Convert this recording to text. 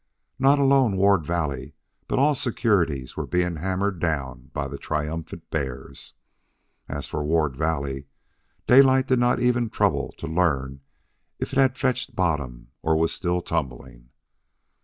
Not alone Ward Valley, but all securities were being hammered down by the triumphant bears. As for Ward Valley, Daylight did not even trouble to learn if it had fetched bottom or was still tumbling.